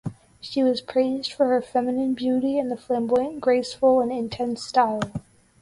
She was praised for her feminine beauty and the flamboyant, graceful and intense style.